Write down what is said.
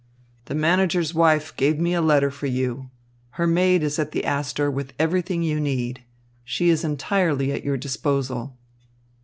The manager's wife gave me a letter for you. Her maid is at the Astor with everything you need. She is entirely at your disposal."